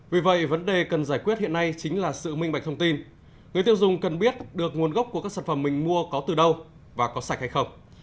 vì vậy vấn đề cần giải quyết hiện nay chính là sự minh bạch thông tin người tiêu dùng cần biết được nguồn gốc của các sản phẩm mình mua có từ đâu và có sạch hay không